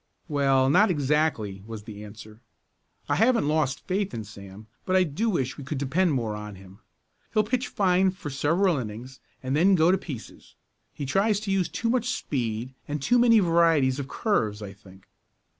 "Well, not exactly," was the answer. "I haven't lost faith in Sam, but I do wish we could depend more on him. He'll pitch fine for several innings and then go to pieces. He tries to use too much speed and too many varieties of curves, I think."